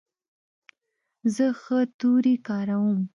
زه ښه توري کاروم.